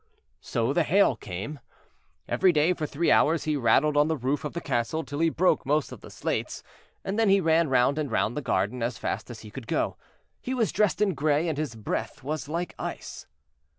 So the Hail came. Every day for three hours he rattled on the roof of the castle till he broke most of the slates, and then he ran round and round the garden as fast as he could go. He was dressed in grey, and his breath was like ice.